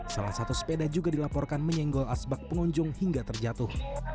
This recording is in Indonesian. salah satu sepeda juga dilaporkan menyenggol asbak pengunjung hingga terjatuh